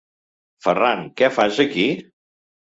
Ferran, què fas aquí?